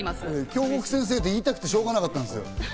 京極先生！って言いたくてしょうがなかったんですよ。